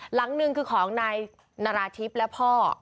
หลังหนึ่งคือของนายนาราธิบและพ่อ